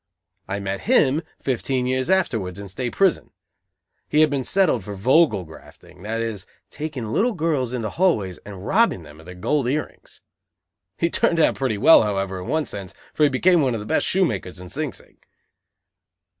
I met him fifteen years afterwards in state's prison. He had been settled for "vogel grafting," that is, taking little girls into hall ways and robbing them of their gold ear rings. He turned out pretty well, however, in one sense, for he became one of the best shoe makers in Sing Sing.